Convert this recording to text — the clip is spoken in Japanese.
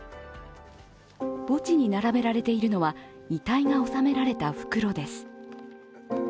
墓地に並べられているのは遺体が納められた袋です。